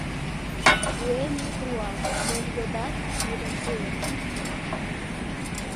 — Вуем ит руал, мом йодат, тудым пуэм.